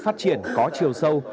phát triển có chiều sâu